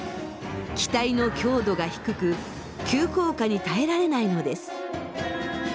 機体の強度が低く急降下に耐えられないのです。